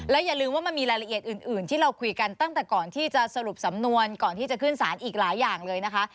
อย่าลืมว่ามันมีรายละเอียดอื่นที่เราคุยกันตั้งแต่ก่อนที่จะสรุปสำนวนก่อนที่จะขึ้นสารอีกหลายอย่างเลยนะคะ